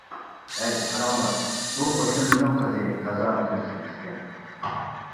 -ھەي قاراڭلار، بۇ قوشنىمىزنىڭ قىزى تازا دۇرۇس ئەمەسكەن.